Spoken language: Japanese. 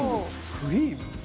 クリーム？